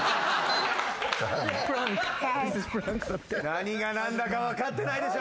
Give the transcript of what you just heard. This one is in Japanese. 何が何だか分かってないでしょ